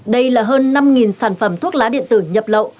đây là hơn năm sản phẩm thuốc lá điện tử nhập lậu